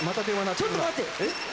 ちょっと待って！